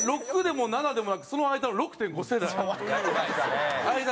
６でも７でもなくその間の６．５世代。